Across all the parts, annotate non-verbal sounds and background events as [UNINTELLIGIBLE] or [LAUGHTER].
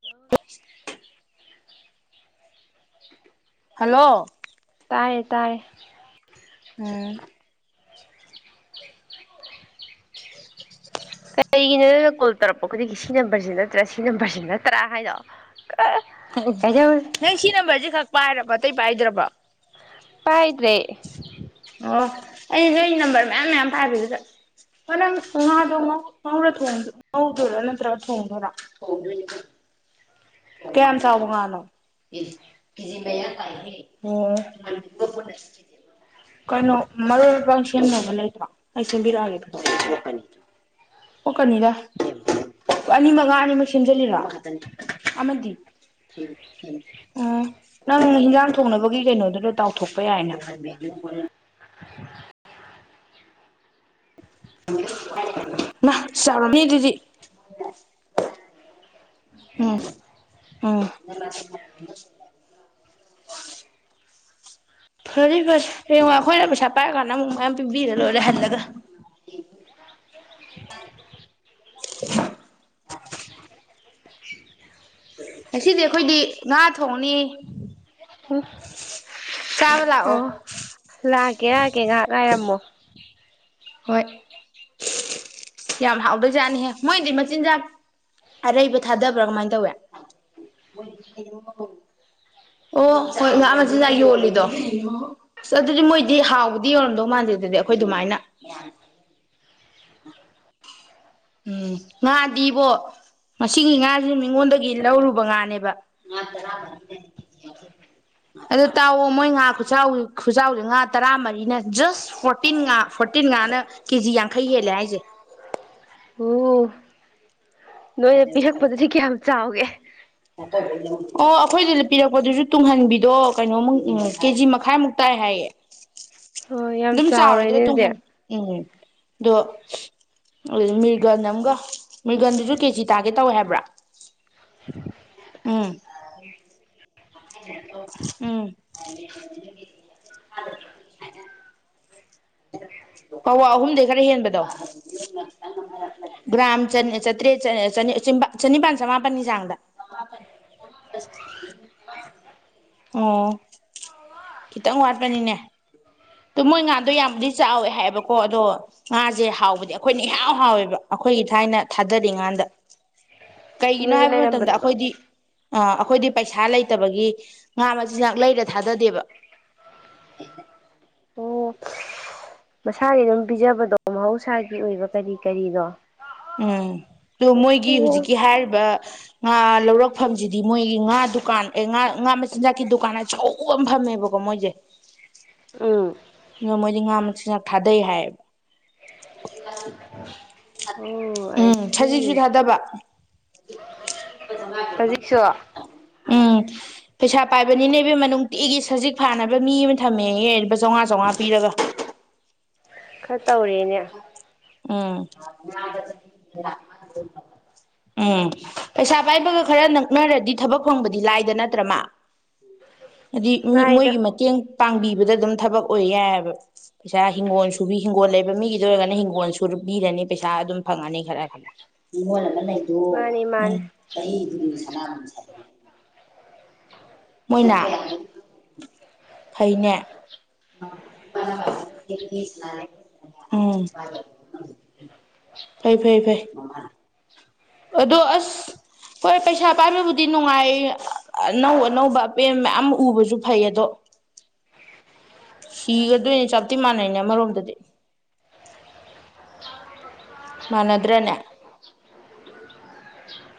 Hello [INAUDIBLE] hello ꯇꯥꯌꯦ ꯇꯥꯢ ꯎꯝ [INAUDIBLE] ꯀꯔꯤꯒꯤꯅꯣ ꯅꯪꯅ ꯀꯣꯜ ꯇꯧꯔꯛꯄ ꯈꯨꯗꯤꯡꯒꯤ ꯁꯤ ꯅꯝꯕꯔꯁꯤ ꯅꯠꯇ꯭ꯔꯥ ꯁꯤ ꯅꯝꯕꯔꯁꯤ ꯅꯠꯇ꯭ꯔꯥ ꯍꯥꯏꯗꯣ [UNINTELLIGIBLE] ꯅꯪ ꯁꯤ ꯅꯝꯕꯔꯁꯦ ꯈꯛ ꯄꯥꯏꯔꯕ ꯑꯇꯩ ꯄꯥꯏꯗ꯭ꯔꯕꯣ ꯄꯥꯏꯗ꯭ꯔꯦ ꯑꯣ ꯑꯩ ꯅꯣꯏ ꯅꯝꯕꯔ ꯃꯌꯥꯝ ꯃꯌꯥꯝ ꯄꯥꯏꯕꯗꯨꯗ ꯍꯣ ꯅꯪ ꯎꯝ ꯉꯥꯗꯣ ꯉꯣ ꯉꯧꯔ ꯊꯣꯡꯗꯣꯏ ꯉꯧꯗꯣꯢꯔ ꯅꯠꯇ꯭ꯔꯒ ꯊꯣꯡꯗꯣꯢꯔꯣ ꯊꯣꯡꯗꯣꯢꯅꯦ ꯀꯩꯅꯣ [UNINTELLIGIBLE] ꯑꯃꯗꯤ ꯎ ꯅꯪ ꯍꯦꯟꯖꯥꯡ ꯊꯣꯡꯅꯕꯒꯤ ꯀꯩꯅꯣꯗꯨꯗ ꯇꯥꯎꯊꯣꯛꯄ ꯌꯥꯏꯅ [UNINTELLIGIBLE] ꯐꯔꯦ ꯐꯔꯦ ꯍꯌꯦꯡ ꯑꯩꯈꯣꯏꯅ ꯄꯩꯁꯥ ꯄꯥꯏꯔꯀꯥꯟꯗ ꯑꯃꯨꯛ ꯃꯌꯥꯝ ꯄꯤꯕꯤꯔ ꯂꯣꯏꯔꯦ ꯍꯜꯂꯒ ꯉꯁꯤꯗꯤ ꯑꯩꯈꯣꯏꯗꯤ ꯉꯥ ꯊꯣꯡꯅꯤ ꯎꯝ ꯆꯥꯕ ꯑꯣ ꯂꯥꯛꯑꯣ ꯂꯥꯛꯀꯦ ꯂꯥꯛꯀꯦ ꯉꯥꯍꯥꯛ ꯉꯥꯏꯔꯝꯃꯣ ꯍꯣꯏ ꯌꯥꯝ ꯍꯥꯎꯗꯣꯏꯖꯥꯠꯅꯤꯍꯦ ꯃꯣꯏꯗꯤ ꯃꯆꯤꯟꯖꯥꯛ ꯑꯔꯩꯕ ꯊꯥꯗꯕ꯭ꯔꯥ ꯀꯃꯥꯏꯅ ꯇꯧꯋꯦ ꯑꯣ ꯍꯣꯏ ꯉꯥ ꯃꯆꯤꯟꯖꯥꯛ ꯌꯣꯜꯂꯤꯗꯣ ꯑꯁ ꯑꯗꯨꯗꯤ ꯃꯣꯏꯗꯤ ꯍꯥꯎꯕꯗꯤ ꯌꯧꯔꯝꯗꯧ ꯃꯥꯟꯗꯦ ꯑꯗꯨꯗꯤ ꯑꯈꯣꯏ ꯑꯗꯨꯃꯥꯏꯅ [UNINTELLIGIBLE] ꯎꯝ ꯉꯥꯗꯤꯕꯣ ꯉꯁꯤꯒꯤ ꯉꯥꯥꯖꯤꯅ ꯃꯤꯉꯣꯟꯗꯒꯤ ꯂꯧꯔꯨꯕ ꯉꯥꯅꯦꯕ ꯑꯗꯨ ꯇꯥꯎꯋꯣ ꯃꯣꯏ ꯉꯥ ꯈꯨꯆꯥꯎ ꯈꯨꯆꯥꯎꯖꯦ ꯉꯥ ꯇꯔꯥꯃꯔꯤꯅ ꯖꯁ ꯐꯣꯔꯇꯤꯟ ꯉꯥ ꯐꯣꯔꯇꯤꯟ ꯉꯥꯅ ꯀꯦꯖꯤ ꯌꯥꯡꯈꯩ ꯍꯦꯜꯂꯦ ꯍꯥꯏꯖꯦ ꯑꯣ ꯅꯣꯏꯅ ꯄꯤꯔꯛꯄꯗꯗꯤ ꯀꯌꯥꯝ ꯆꯥꯎꯒꯦ ꯑꯣ ꯑꯩꯈꯣꯏꯗꯨꯗ ꯄꯤꯔꯛꯄꯗꯨꯁꯨ ꯇꯨꯡꯍꯟꯕꯤꯗꯣ ꯀꯩꯅꯣꯃꯨꯛ ꯀꯦꯖꯤ ꯃꯈꯥꯏꯃꯨꯛ ꯇꯥꯏ ꯍꯥꯏꯌꯦ ꯑꯣ ꯌꯥꯝ ꯗꯨꯝ ꯆꯥꯎꯔꯗ꯭ꯔ ꯆꯥꯎꯔꯦꯅꯦ ꯑꯗꯨꯗꯤ ꯇꯨꯡꯍꯟ ꯎꯝ ꯗꯣ ꯃꯤꯔꯒꯟ ꯑꯃꯒ ꯃꯤꯔꯒꯟꯗꯨꯁꯨ ꯀꯦꯖꯤ ꯇꯥꯒꯦ ꯇꯧꯋꯦ ꯍꯥꯏꯕ꯭ꯔꯥ [INAUDIBLE] ꯎꯝ ꯎꯝ ꯄꯋꯥ ꯑꯍꯨꯝꯗꯩ ꯈꯔ ꯍꯦꯟꯕꯗꯣ ꯒ꯭ꯔꯥꯝ ꯆꯟ ꯑ ꯆꯇ꯭ꯔꯦꯠ ꯆꯟ ꯑ ꯆꯅꯤ ꯑ ꯆꯤꯝꯕ ꯆꯅꯤꯄꯥꯟ ꯆꯃꯥꯄꯟꯒꯤ ꯆꯥꯡꯗ ꯑꯣ ꯈꯤꯇꯪ ꯋꯥꯠꯄꯅꯤꯅꯦ ꯇꯣ ꯃꯣꯏ ꯉꯥꯗꯣ ꯌꯥꯝꯕꯨꯗꯤ ꯆꯥꯎꯋꯦ ꯍꯥꯏꯑꯦꯕꯀꯣ ꯑꯗꯣ ꯉꯥꯖꯦ ꯍꯥꯎꯕꯗꯤ ꯑꯈꯣꯏꯅ ꯢꯍꯥꯎ ꯍꯥꯎꯋꯦꯕ ꯑꯈꯣꯏꯒꯤ ꯊꯥꯏꯅ ꯊꯥꯗꯔꯤ ꯉꯥꯟꯗ ꯀꯩꯒꯤꯅꯣ ꯅꯣꯏꯗ ꯍꯥꯏꯕ ꯃꯇꯝꯗ ꯂꯩꯔꯝꯕꯗꯣ ꯑꯩꯈꯣꯏꯗꯤ ꯑ ꯈꯣꯏꯗꯤ ꯄꯩꯁꯥ ꯂꯩꯇꯕꯒꯤ ꯉꯥ ꯃꯆꯤꯟꯖꯥꯛ ꯂꯩꯔ ꯊꯥꯗꯗꯦꯕ ꯑꯣ ꯃꯁꯥꯒꯤ ꯑꯗꯨꯝ ꯄꯤꯖꯕꯗ ꯃꯍꯧꯁꯥꯒꯤ ꯑꯣꯏꯕ ꯀꯔꯤ ꯀꯔꯤꯅꯣ ꯎꯝ ꯗꯣ ꯃꯣꯏꯒꯤ ꯑꯣ ꯍꯧꯖꯤꯛꯀꯤ ꯍꯥꯏꯔꯤꯕ ꯉꯥ ꯂꯧꯔꯛꯐꯝꯁꯤꯗꯤ ꯃꯣꯏꯒꯤ ꯉꯥ ꯗꯨꯀꯥꯟ ꯑꯦ ꯉꯥ ꯉꯥ ꯃꯆꯤꯟꯖꯥꯛꯀꯤ ꯗꯨꯀꯥꯟ ꯑꯆꯧꯕ ꯑꯃ ꯐꯝꯃꯦꯕꯀꯣ ꯃꯣꯏꯖꯦ ꯎꯝ ꯑꯣ ꯃꯣꯏꯗꯤ ꯉꯥ ꯃꯆꯤꯟꯖꯥꯛ ꯊꯥꯗꯩ ꯍꯥꯏꯌꯦꯕ ꯑꯣ ꯎꯝ ꯁꯖꯤꯛꯁꯨ ꯑꯩꯁꯤ ꯊꯥꯗꯕ ꯍꯧꯖꯤꯛꯁꯨ [UNINTELLIGIBLE] ꯎꯝ ꯄꯩꯁꯥ ꯄꯥꯏꯕꯅꯤꯅꯦꯕ ꯃꯅꯨꯡꯗ ꯇꯤꯒꯤ ꯁꯖꯤꯛ ꯐꯥꯅꯕ ꯃꯤ ꯑꯃ ꯊꯝꯃꯦ ꯆꯥꯝꯃꯉꯥ ꯁꯃꯥ ꯄꯤꯔꯒ ꯈꯔ ꯇꯧꯔꯤꯅꯦ ꯎꯝ ꯎꯝ ꯄꯩꯁꯥ ꯄꯥꯏꯕꯒ ꯈꯔ ꯅꯛꯅꯔꯗꯤ ꯊꯕꯛ ꯐꯪꯕꯗꯤ ꯂꯥꯏꯗ ꯅꯠꯇ꯭ꯔꯃ ꯍꯥꯏꯗꯤ ꯃꯤ ꯂꯥꯏꯗ ꯃꯣꯏꯒꯤ ꯃꯇꯦꯡ ꯄꯥꯡꯕꯤꯕꯗ ꯑꯗꯨꯝ ꯊꯕꯛ ꯑꯣꯏ ꯌꯥꯏꯕ ꯄꯩꯁꯥ ꯍꯤꯡꯒꯣꯜ ꯁꯨꯕꯤ ꯍꯤꯡꯒꯣꯜ ꯂꯩ ꯃꯤꯒꯤꯗ ꯑꯣꯏꯔꯒꯅ ꯍꯤꯡꯒꯣꯜ ꯑꯗꯨ ꯄꯤꯔꯅꯤ ꯄꯩꯁꯥ ꯑꯗꯨꯝ ꯐꯪꯉꯅꯤ ꯈꯔ ꯈꯔ ꯈ ꯂꯩꯗꯣ ꯃꯥꯅꯤ ꯃꯥꯅꯤ ꯆꯍꯤꯗꯨꯗꯤ ꯁꯅꯥꯝ ꯃꯣꯏꯅ ꯐꯩꯅꯦ [UNINTELLIGIBLE] ꯎꯝ ꯐꯩ ꯐꯩ ꯐꯩ ꯑꯗꯣ ꯑꯁ ꯍꯣꯏ ꯄꯩꯁꯥ ꯄꯥꯏꯕꯕꯨꯗꯤ ꯅꯨꯡꯉꯥꯏ ꯑꯅꯧ ꯑꯅꯧꯕ ꯑꯄꯦꯟꯕ ꯃꯌꯥꯝ ꯎꯕꯁꯨ ꯐꯩ ꯑꯗꯣ ꯁꯤꯒꯗꯣꯏꯅꯦ ꯆꯥꯞꯇꯤ ꯃꯥꯟꯅꯩꯅꯦ ꯑꯃꯔꯣꯝꯗꯗꯤ ꯃꯅꯗ꯭ꯔꯅꯦ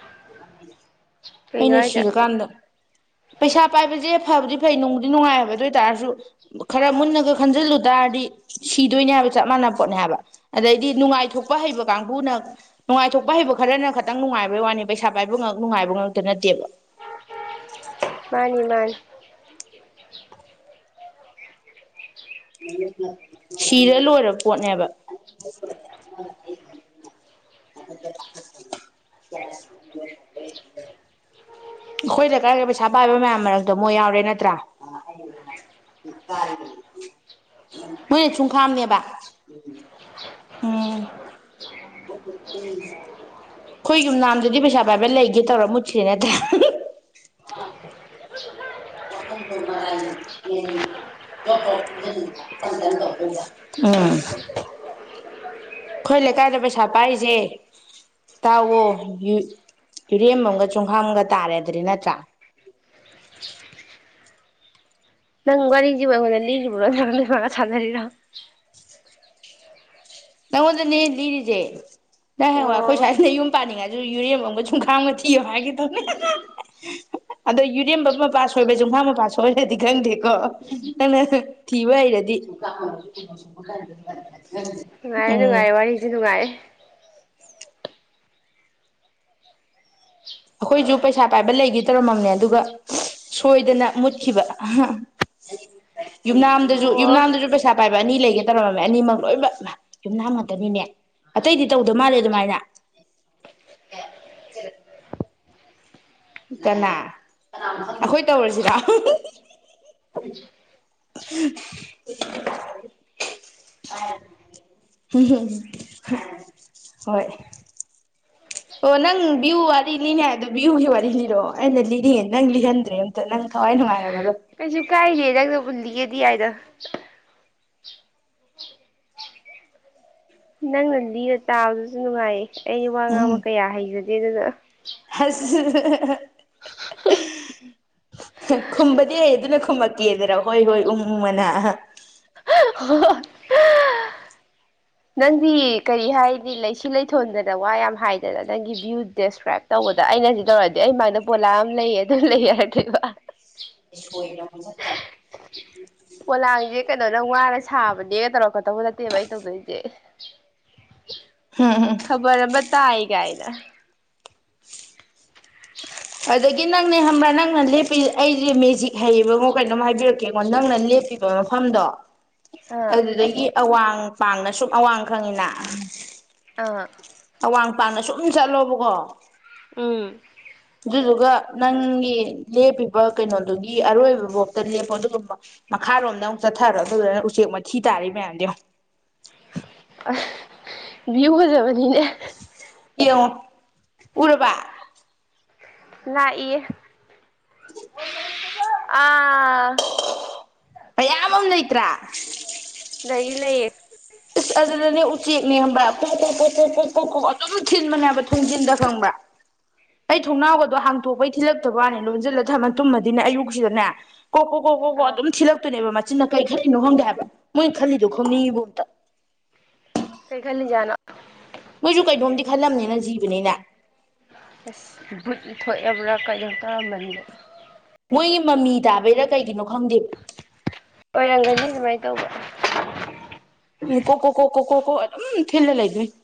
[INAUDIBLE] ꯀꯩꯅꯣ ꯑꯩꯅ ꯍꯥꯏꯁꯦ ꯁꯤꯔꯀꯥꯟꯗ ꯄꯩꯁꯥ ꯄꯥꯏꯕꯁꯦ ꯐꯕꯗꯤ ꯐꯩ ꯅꯨꯡꯗꯤ ꯅꯨꯡꯉꯥꯏ ꯍꯥꯏꯕ ꯑꯗꯨ ꯑꯣꯏ ꯇꯥꯔꯁꯨ ꯈꯔ ꯃꯨꯟꯅꯒ ꯈꯟꯖꯤꯜꯂꯨ ꯇꯥꯔꯗꯤ ꯁꯤꯗꯣꯏꯅꯦ ꯍꯥꯏꯕ ꯆꯞ ꯃꯥꯟ ꯄꯣꯠꯅꯤ ꯍꯥꯏꯕ ꯑꯗꯩꯗꯤ ꯅꯨꯡꯉꯥꯏꯊꯣꯛꯄ ꯍꯩꯕ ꯀꯥꯡꯕꯨꯅ ꯅꯨꯡꯉꯥꯏꯊꯣꯛꯄ ꯍꯩꯕ ꯈꯔꯅ ꯈꯈꯤꯇꯪ ꯅꯨꯡꯉꯥꯏꯕꯩ ꯋꯥꯅꯤ ꯄꯩꯁꯥ ꯄꯥꯏꯕ ꯉ ꯅꯨꯡꯉꯥꯏꯕ ꯉ ꯅꯠꯇꯦꯕ ꯃꯥꯅꯤ ꯏꯃꯥꯟ ꯁꯤꯔ ꯂꯣꯏꯔꯕ ꯄꯣꯠꯅꯦꯕ [INAUDIBLE] ꯑꯩꯈꯣꯏꯗ ꯀꯔ ꯀ ꯄꯩꯁꯥ ꯄꯥꯏꯕ ꯃꯌꯥꯝ ꯃꯔꯛꯇꯣ ꯃꯣꯏ ꯌꯥꯎꯔꯦ ꯅꯠꯇ꯭ꯔꯥ ꯃꯣꯏꯅ ꯁꯨꯡꯈꯥꯝꯅꯦꯕ ꯎꯝ ꯑꯩꯈꯣꯏ ꯌꯨꯝ ꯅꯥꯝꯗꯗꯤ ꯄꯩꯁꯥ ꯄꯥꯏꯕ ꯂꯩꯒꯦ ꯇꯧꯔ ꯃꯨꯠꯇꯔꯤ ꯅꯠꯇ꯭ꯔꯦ [INAUDIBLE] ꯑꯩꯈꯣꯏ ꯂꯩꯀꯥꯏꯗ ꯄꯩꯁꯥ ꯄꯥꯏꯔꯤꯁꯦ ꯇꯥꯎꯋꯣ ꯌꯨꯔꯦꯝ ꯑꯃꯒ ꯆꯣꯡꯈꯥꯝꯒ ꯇꯥꯔꯦꯗ꯭ꯔꯔꯤ ꯅꯠꯇ꯭ꯔꯥ ꯅꯪ ꯋꯥꯔꯤꯁꯤꯕꯨ ꯑꯩꯉꯣꯟꯗ ꯂꯤꯔꯤꯕ꯭ꯔꯣ ꯅ ꯁꯥꯟꯅꯔꯤꯔꯣ ꯅꯪꯉꯣꯟꯗꯅꯦ ꯂꯤꯔꯤꯁꯦ ꯅꯪ ꯍꯡꯋꯥꯏ ꯑꯩꯈꯣꯏ ꯑꯣ ꯁ꯭ꯋꯥꯏꯁꯤꯅ ꯌꯨꯝ ꯄꯥꯅꯤꯡꯉꯁꯨ ꯌꯨꯔꯦꯝꯕ ꯑꯃꯒ ꯨꯝꯈꯥꯝꯒ ꯊꯤꯌꯣ ꯍꯥꯏꯒꯦꯗꯧꯅꯦ ꯑꯗꯣ ꯌꯨꯔꯦꯝꯕ ꯃꯄꯥ ꯁꯣꯏꯕ ꯌꯖꯨꯝꯈꯥꯝ ꯃꯄꯥ ꯁꯣꯏꯔꯗꯤ ꯈꯪꯗꯦꯀꯣ ꯅꯪꯅ ꯊꯤꯕ ꯍꯩꯔꯗꯤ ꯅꯨꯡꯉꯥꯏꯌꯦ ꯎꯝ ꯅꯨꯡꯉꯥꯏꯦ ꯋꯥꯔꯤꯁꯦ ꯅꯨꯡꯉꯥꯏꯌꯦꯦ ꯑꯩꯈꯣꯏꯁꯨ ꯄꯩꯁꯥ ꯄꯥꯏꯕ ꯂꯩꯒꯦ ꯇꯧꯔꯝꯃꯝꯅꯦ ꯑꯗꯨꯒ ꯁꯣꯏꯗꯅ ꯃꯨꯠꯈꯤꯕ ꯌꯨꯝꯅꯥꯝꯗꯁꯨ ꯑꯣ ꯌꯨꯝꯅꯥꯝꯗꯁꯨ ꯄꯩꯁꯥ ꯄꯥꯏꯕ ꯑꯅꯤ ꯂꯩꯒꯦ ꯇꯧꯔꯝꯃꯝꯃꯦ ꯑꯅꯤꯃꯛ ꯂꯣꯏꯅꯃꯛ ꯌꯨꯝꯅꯥꯝ ꯉꯥꯛꯇꯅꯤꯅꯦ ꯑꯇꯩꯗꯤ ꯇꯧꯗꯧ ꯃꯥꯜꯂꯦ ꯑꯗꯨꯃꯥꯏꯅ ꯀꯅꯥ ꯑꯩꯈꯣꯏ ꯇꯧꯔꯤꯁꯤꯅꯝ ꯍꯣꯏ ꯑꯣ ꯅꯪ ꯕꯤ꯭ꯌꯨ ꯋꯥꯔꯤ ꯂꯤꯅꯤ ꯍꯥꯏꯕꯗꯣ ꯕꯤ꯭ꯌꯨꯒꯤ ꯋꯥꯔꯤ ꯂꯤꯔꯣꯑꯣ ꯑꯩꯅ ꯂꯤꯔꯤꯌꯦ ꯅꯪ ꯂꯤꯍꯟꯗ꯭ꯔꯦ ꯑꯝꯇ ꯅꯪ ꯊꯋꯥꯏ ꯅꯨꯡꯉꯥꯏꯔꯕꯅꯣ ꯀꯁꯨ ꯀꯥꯏ ꯍ ꯗꯕꯨꯟ ꯂꯗꯤ ꯑꯗ ꯅꯪꯅ ꯂꯤꯔ ꯇꯥꯕꯗꯨꯁꯨ ꯅꯨꯡꯉꯥꯏꯌꯦ ꯑꯩ ꯋꯥ ꯎꯝ ꯉꯥꯡꯕ ꯀꯌꯥ ꯍꯥꯏꯖꯒꯦ ꯑꯗꯨ ꯑꯗꯨꯗ ꯑꯁ ꯈꯨꯝꯕꯗꯤ ꯑꯩ ꯑꯗꯨꯅ ꯈꯨꯝꯃꯛꯀꯦꯗꯔ ꯍꯣꯏ ꯍꯣꯏ ꯎꯃꯨꯡ ꯃꯅꯥ ꯅꯪꯗꯤ ꯀꯔꯤ ꯍꯥꯏꯗꯤ ꯂꯩꯁꯤ ꯂꯩꯊꯣꯟꯗꯅ ꯋꯥ ꯌꯥꯝ ꯍꯥꯏꯗꯅ ꯅꯪꯒꯤ ꯚ꯭ꯌꯨ ꯗꯦꯁꯀ꯭ꯔꯥꯏꯞ ꯇꯧꯕꯗ ꯑꯩꯅꯗꯤ ꯇꯧꯔꯛꯑꯗꯤ ꯑꯩꯃꯗ ꯄꯣꯂꯥ ꯑꯃ ꯂꯩꯌꯦ ꯑꯗꯨꯝ ꯂꯩ ꯍꯥꯏꯔꯗꯦꯕ ꯁꯣꯏꯅꯕꯕ ꯆ ꯀꯩꯅꯣꯅ ꯋꯥꯅ ꯁꯥꯕꯅꯦꯒ ꯇꯧꯔꯛꯀꯗꯧꯕ ꯅꯠꯇꯦꯕ ꯑꯩꯩꯅ ꯇꯧꯗꯣꯏꯁꯤ ꯀ ꯎꯝ ꯎꯝ [UNINTELLIGIBLE] ꯈꯕꯔꯑꯃ ꯇꯥꯢ ꯒꯥꯢꯅ [INAUDIBLE] ꯑꯗꯒꯤ ꯅꯪꯅꯦ ꯈꯝꯕ꯭ꯔꯥ ꯅꯪꯅ ꯂꯦꯞꯄꯤ ꯑꯩꯁꯦ ꯃꯦꯖꯤꯛ ꯍꯩꯌꯦꯕꯉꯣ ꯀꯩꯅꯣꯝ ꯍꯥꯏꯕꯤꯔꯛꯀꯦꯉꯣ ꯅꯪꯅ ꯂꯦꯞꯄꯤꯕ ꯃꯐꯝꯗꯣ ꯑꯥ ꯑꯗꯨꯗꯒꯤ ꯑꯋꯥꯡ ꯄꯥꯡꯅ ꯁꯨꯝ ꯑꯋꯥꯡ ꯈꯪꯉꯤꯅ ꯑꯥ ꯋꯥꯡ ꯄꯥꯛꯅ ꯁꯨꯝ ꯆꯠꯂꯣꯕꯀꯣ ꯎꯝ ꯑꯗꯨꯗꯨꯒ ꯅꯪꯒꯤ ꯂꯦꯞꯄꯤꯕ ꯀꯩꯅꯣꯗꯨꯒꯤ ꯑꯔꯣꯏꯕ ꯥꯕꯧꯇ ꯂꯦꯞꯄꯣ ꯑꯗꯨꯒꯨꯝꯕ ꯃꯈꯥꯔꯣꯝꯗ ꯑꯃꯨꯛ ꯆꯠꯊꯔꯣ ꯑꯗꯨꯗꯨꯒ ꯅꯪ ꯎꯆꯦꯛ ꯃꯊꯤ ꯇꯥꯔꯤ ꯃꯌꯥꯝꯗꯤ ꯑ ꯚꯤꯎ ꯐꯖꯕꯅꯤꯅꯦ [UNINTELLIGIBLE] ꯎꯔꯕ ꯂꯥꯛꯏꯌꯦ ꯑꯥ ꯃꯌꯥꯝ ꯑꯃ ꯂꯩꯇ꯭ꯔꯥ ꯂꯩ ꯂꯩꯌꯦ ꯏꯁꯁ ꯑꯗꯨꯗꯅꯦ ꯎꯆꯦꯛꯅꯦꯕ꯭ꯔꯥ ꯄꯣ ꯄꯣꯛ ꯀꯣꯛ ꯄꯣꯛ ꯀꯣꯛ ꯑꯗꯨꯝ ꯊꯤꯟꯕꯅꯦꯕ ꯊꯣꯡꯖꯤꯟꯗ ꯈꯪꯕ꯭ꯔꯥ ꯑꯩ ꯊꯣꯡꯅꯥꯎꯒꯗꯣ ꯍꯥꯡꯇꯣꯛꯄꯩ ꯊꯤꯜꯂꯛꯇꯕ ꯋꯥꯅꯤ ꯂꯣꯟꯁꯤꯜꯂ ꯊ ꯇꯨꯝꯃꯗꯤꯅꯦ ꯑꯌꯨꯛꯁꯤꯗꯅꯦ ꯀꯣ ꯀꯣ ꯀꯣ ꯀꯣ ꯀꯣ ꯑꯥ ꯑꯗꯨꯝ ꯊꯤꯂꯛꯇꯣꯏꯅꯦꯕ ꯃ ꯑꯁꯤꯅ ꯀꯔꯤ ꯈꯜꯂꯤꯅꯣ ꯈꯪꯗꯦ ꯍꯥꯏꯕ ꯃꯣꯏ ꯈꯜꯂꯤꯗꯣ ꯈꯪꯅꯤꯡꯤꯕꯣ ꯑꯝꯇ ꯀꯩ ꯈꯜꯂꯤꯖꯅꯣ ꯃꯣꯏꯁꯨ ꯀꯩꯅꯣꯝꯗꯤ ꯈꯜꯂꯝꯅꯤꯅ ꯖꯤꯕꯅꯤꯅ ꯑꯁ ꯕꯨꯠ ꯊꯣꯛꯑꯕ꯭ꯔꯥ ꯀꯔꯤꯗꯧ ꯀꯥꯃꯅꯤꯗ ꯃꯣꯏꯒꯤ ꯃꯃꯤ ꯇꯥꯕꯩꯔ ꯀꯩꯒꯤꯅꯣ ꯈꯪꯗꯦ ꯑꯣꯏꯔꯝꯒꯅꯤ ꯑꯗꯨꯃꯥꯏꯅ ꯇꯧꯕ ꯎ ꯀꯣ ꯀꯣ ꯀꯣ ꯀꯣ ꯈꯣ ꯀꯣ ꯑꯗꯨꯝ ꯊꯦꯜꯂ ꯂꯩꯗꯣꯢꯅꯤ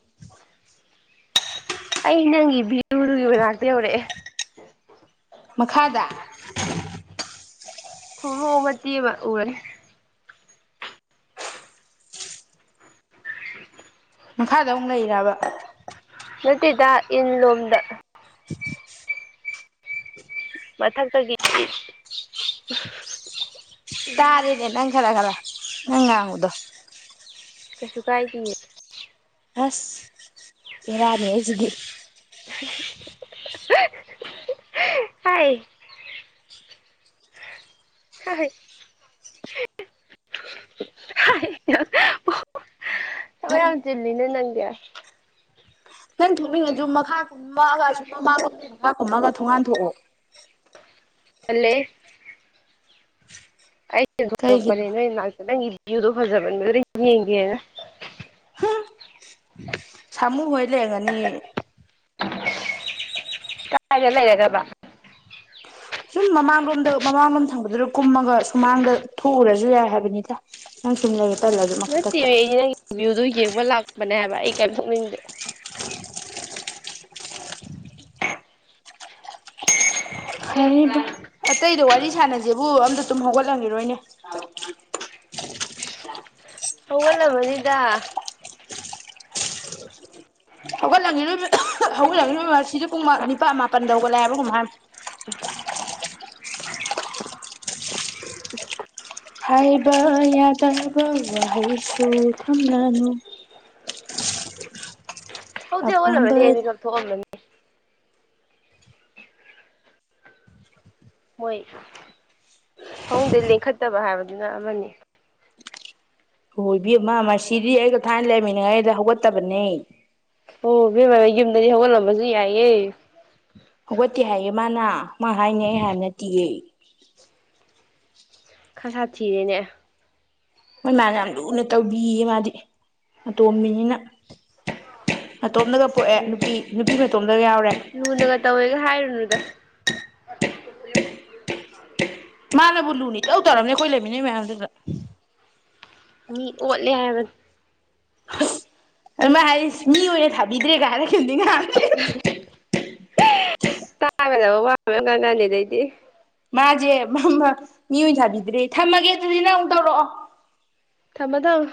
ꯑꯩ ꯅꯪꯒꯤ ꯚꯤꯎꯗꯨꯒꯤ ꯃꯅꯥꯛꯇ ꯌꯧꯔꯛꯑꯦ ꯃꯈꯥꯗ [UNINTELLIGIBLE] ꯊꯣꯛꯂꯣ ꯃꯇꯦꯛ ꯑꯃ ꯎꯔꯅꯤ ꯃꯈꯥꯗ ꯑꯃꯨꯛ ꯂꯩꯔꯕ ꯅꯠꯇꯦꯗ ꯏꯟ ꯂꯣꯝꯗ [INAUDIBLE] ꯃꯊꯛꯇꯒꯤ ꯇꯥꯔꯅꯦ ꯅꯪ ꯈꯔ ꯈꯔ ꯅꯪꯉꯥꯡꯕꯗꯣ ꯀꯁꯨ ꯀꯥꯏꯗꯤꯌꯦ ꯑꯁ ꯕꯦꯔꯥꯅꯤꯍꯦꯁꯤꯗꯤ ꯍꯥꯏ ꯍ ꯍꯣꯏ [UNINTELLIGIBLE] ꯍꯥꯏ ꯑ ꯌꯥꯝ ꯆꯜꯂꯤꯅꯦ ꯅꯪꯗꯤ ꯅꯪ ꯊꯣꯛꯅꯤꯡꯉꯖꯨ ꯃꯈꯥ ꯀꯨꯝꯃꯒ ꯑꯁꯤ ꯃꯃꯥꯡꯂꯣꯝ ꯃꯈꯥ ꯀꯨꯝꯃꯒ ꯊꯣꯡꯒꯥꯟ ꯊꯣꯛꯑꯣ꯫ ꯇꯠꯂꯦꯍꯦ꯫ ꯑꯩ꯫ ꯀꯩꯒꯤꯅꯣ [UNINTELLIGIBLE] ꯅꯣꯏꯅꯥꯛꯇ ꯅꯪꯒꯤ ꯌꯨꯗꯣ ꯐꯖꯃꯟꯕꯗꯨꯗ ꯌꯦꯡꯒꯦꯅ꯫ ꯍꯨꯝ ꯁꯥꯃꯨ ꯍꯣꯏ ꯂꯩꯔꯪꯒꯅꯤꯌꯦ꯫ [UNINTELLIGIBLE] ꯀꯥꯏꯗ ꯂꯩꯔꯒꯕ꯫ ꯁꯨꯝ ꯃꯃꯥꯡꯂꯣꯝꯗ ꯃꯃꯥꯡꯂꯣꯝ ꯊꯪꯕꯗꯨꯗ ꯀꯨꯝꯃꯒ ꯁꯨꯃꯥꯡꯗ ꯊꯣꯛꯎꯔꯖꯨ ꯌꯥꯏ ꯍꯥꯏꯕꯅꯤꯗ ꯅꯪ ꯁꯨꯝ ꯂꯩ ꯅꯠꯇꯃꯦ ꯑꯩ ꯅꯪꯒꯤ ꯌꯨꯗꯣ ꯌꯦꯡꯕ ꯂꯥꯛ ꯕꯅꯦ ꯍꯥꯏꯕ ꯑꯩ ꯀꯌꯤꯝ ꯆꯠꯅꯤꯡꯗꯦ꯫ [UNINTELLIGIBLE] ꯑꯇꯩꯗꯣ ꯋꯥꯔꯤ ꯁꯥꯥꯟꯅꯖꯦꯕꯨ ꯑꯝꯇ ꯇꯨꯝ ꯍꯧꯒꯠꯂꯝꯒꯤꯔꯣꯏꯅꯦ [UNINTELLIGIBLE] ꯍꯧꯒꯠ ꯂꯝꯃꯅꯤꯗ꯫ ꯍꯧꯒꯠ ꯂꯝꯒꯤꯔꯣꯏ [UNINTELLIGIBLE] ꯍꯧꯒꯠꯂꯝꯒꯤꯔꯣꯏ ꯃꯔꯁꯤꯖꯨ ꯄꯨꯡ ꯃ ꯅꯤꯄꯥ꯭ ꯃꯥꯄꯟꯗ ꯍꯧꯒꯠꯂꯦ ꯍꯥꯏꯕ [UNINTELLIGIBLE] [UNINTELLIGIBLE] [UNINTELLIGIBLE] ꯍꯥꯏꯕ ꯌꯥꯗꯕ ꯋꯥꯍꯩꯁꯨ ꯊꯝꯂꯅꯨ꯫ ꯍꯧꯗꯤ ꯑꯄꯥꯝꯕ ꯍꯧꯒꯠꯂꯝꯃꯅꯤꯍꯦ ꯃꯤꯠꯀꯞ ꯊꯣꯛꯑꯝꯃꯅꯤ꯫ ꯃꯣꯏ ꯐꯃꯨꯡꯗꯩ ꯂꯦꯡꯈꯠꯇꯕ ꯍꯥꯏꯕꯗꯨꯅ ꯑꯃꯅꯤ꯫ ꯍꯣꯏꯕꯦꯃ ꯃꯔꯁꯤꯗꯤ ꯑꯩꯒ ꯊꯥꯏꯅ ꯂꯩꯃꯤꯅꯔꯤꯉꯩꯗ ꯍꯧꯒꯠꯇꯕꯅꯦ꯫ ꯍꯣ ꯏꯕꯦꯝꯃ ꯌꯨꯝꯗꯗꯤ ꯍꯧꯒꯠꯂꯝꯕꯖꯨ ꯌꯥꯏꯌꯦ꯫ ꯍꯧꯒꯠꯇꯦ ꯍꯥꯏꯌꯦ ꯃꯥꯅ꯫ ꯃꯥ ꯍꯥꯏꯅꯦ ꯑꯩ ꯍꯥꯏꯕ ꯅꯠꯇꯤꯌꯦ꯫ ꯈꯁꯥꯊꯤꯔꯦꯅꯦ꯫ ꯃꯣꯏ ꯃꯥꯅ ꯌꯥꯝ ꯂꯨꯅ ꯇꯧꯕꯤꯌꯦ ꯃꯥꯗꯤ ꯑꯇꯣꯝꯕꯤꯅꯤꯅ꯫ ꯃꯇꯣꯝꯗꯒ ꯑꯁ ꯄꯣꯛꯑꯦ ꯅꯨꯄꯤ ꯅꯨꯄꯤ ꯃꯇꯣꯝꯗꯒ ꯌꯥꯎꯔꯦ꯫ ꯗꯨꯗ [UNINTELLIGIBLE] ꯃꯥꯅꯕꯨ ꯂꯨꯅ ꯏꯇꯧ ꯇꯧꯔꯝꯅꯦ ꯑꯩꯈꯣꯏ ꯂꯩꯔꯤꯕ ꯃꯌꯥꯝꯗꯨꯗ꯫ ꯃꯤ ꯑꯣꯠꯂꯦ ꯍꯥꯏꯕꯅꯤ꯫ ꯍꯁ ꯑꯗꯨ ꯃꯥꯍꯥꯏꯖꯤ ꯃꯤ ꯑꯣꯏꯅ ꯊꯥꯕꯤꯗ꯭ꯔꯦꯒ ꯍꯥꯏꯔꯛꯈꯤꯕꯅꯤ ꯉꯍꯥꯟ꯫ [UNINTELLIGIBLE] ꯇ ꯌꯗꯕ ꯋꯥ ꯃꯌꯥꯝ ꯉꯥꯡꯉꯛꯑꯅꯤ ꯑꯗꯩꯗꯤ꯫ ꯃꯥꯖꯦ ꯃꯝꯃ ꯃꯤꯑꯣꯏꯅ ꯊꯥꯕꯤꯗ꯭ꯔꯦ ꯊꯝꯃꯒꯦ ꯑꯗꯨꯗꯤ ꯅꯪ ꯑꯃꯨꯛ ꯇꯧꯔꯛꯑꯣ꯫ ꯊꯝꯃꯣ ꯊꯝꯃꯣ꯫